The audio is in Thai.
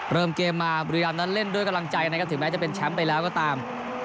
เริ่มเกมมาบุรีรำนั้นเล่นด้วยกำลังใจนะครับถึงแม้จะเป็นแชมป์ไปแล้วก็ตาม